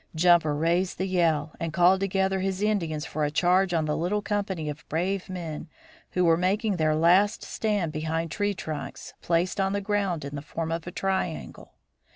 Jumper raised the yell and called together his Indians for a charge on the little company of brave men who were making their last stand behind tree trunks placed on the ground in the form of a triangle.